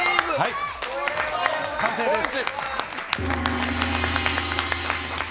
完成です。